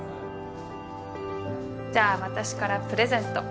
じゃあ私からプレゼント